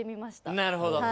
なるほど。